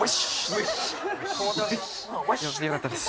よかったです。